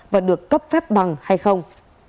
và được cấp phép bằng hay không